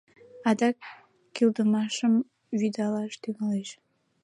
Адак кӱлдымашым вӱдылаш тӱҥалеш.